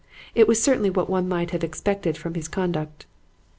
It was certainly what one might have expected from his conduct.